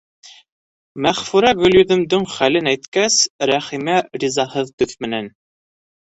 Мәғфүрә Гөлйөҙөмдөң хәлен әйткәс, Рәхимә ризаһыҙ төҫ менән: